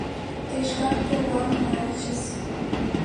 Тый шкат «пурлам» маньычыс.